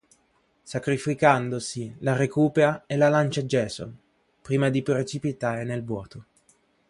Sacrificandosi, la recupera e la lancia a Jason, prima di precipitare nel vuoto.